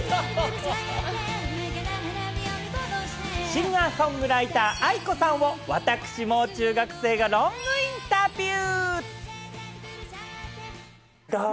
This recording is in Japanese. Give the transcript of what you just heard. シンガーソングライター、ａｉｋｏさんを私もう中学生がロングインタビュー。